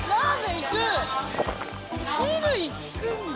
いくんだ。